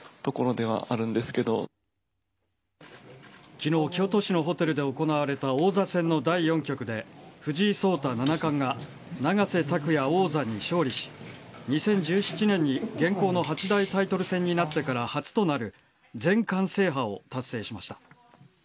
昨日京都市のホテルで行われた王座戦の第４局で藤井聡太七冠が永瀬拓也王座に勝利し２０１７年に、現行の八大タイトル戦になってから初となる全冠制覇を達成しました。